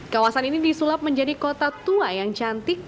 kawasan ini disulap menjadi kota tua yang cantik